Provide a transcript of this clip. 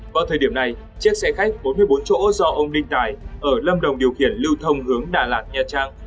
vào thời điểm này chiếc xe khách bốn mươi bốn chỗ do ông đinh tài ở lâm đồng điều khiển lưu thông hướng đà lạt nha trang